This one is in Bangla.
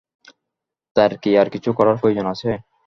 তার কি আর কিছু করার প্রয়োজন আছে?